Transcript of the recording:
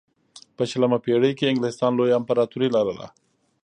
په شلمه پېړۍ کې انګلستان لویه امپراتوري لرله.